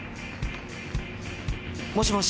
もしもし。